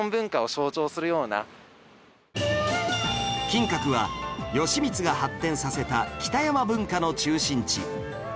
金閣は義満が発展させた北山文化の中心地